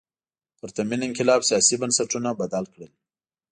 پرتمین انقلاب سیاسي بنسټونه بدل کړل.